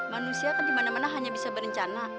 manusia kan dimana mana hanya bisa berencana